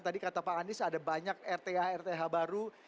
tadi kata pak anies ada banyak rth rth baru